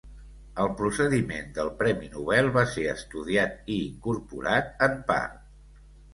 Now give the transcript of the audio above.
El procediment del premi Nobel va ser estudiat i incorporat en part.